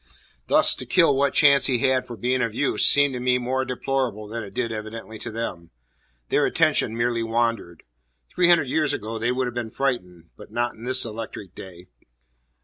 Thus to kill what chance he had for being of use seemed to me more deplorable than it did evidently to them. Their attention merely wandered. Three hundred years ago they would have been frightened; but not in this electric day.